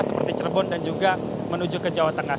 seperti cirebon dan juga menuju ke jawa tengah